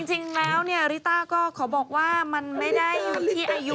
จริงแล้วเนี่ยริต้าก็ขอบอกว่ามันไม่ได้อยู่ที่อายุ